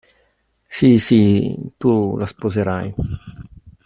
Sì, sì, tu la sposerai.